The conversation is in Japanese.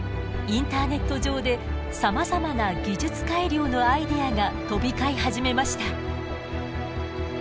インターネット上でさまざまな技術改良のアイデアが飛び交い始めました。